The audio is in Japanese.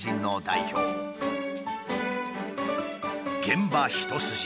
現場一筋。